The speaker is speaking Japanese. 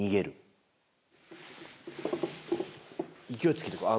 勢いつけてこう。